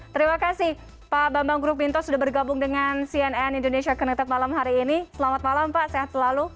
terima kasih pak bambang grup pinto sudah bergabung dengan cnn indonesia connected malam hari ini selamat malam pak sehat selalu